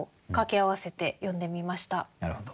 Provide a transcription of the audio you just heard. なるほど。